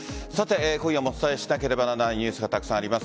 今夜もお伝えしなければならないニュースがたくさんあります。